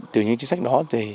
từ những chính sách đó